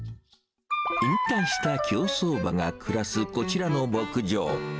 引退した競走馬が暮らすこちらの牧場。